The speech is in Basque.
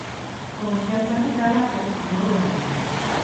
Konfiantzatik harago, amorrua dago.